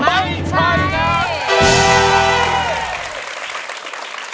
ไม่ใช่